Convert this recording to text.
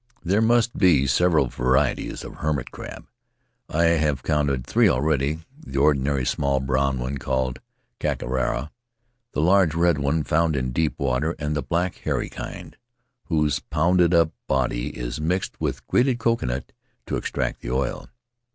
There must be several varieties of hermit crab — I In the Cook Group have counted three already: the ordinary small brown one called kakara, the huge red one found in deep water, and the black, hairy kind, whose pounded up body is mixed with grated coconut to extract the oil.